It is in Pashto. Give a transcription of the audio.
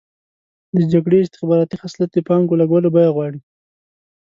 د جګړې استخباراتي خصلت د پانګو لګولو بیه غواړي.